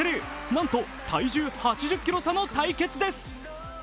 なんと体重８０ｋｇ差の対決です。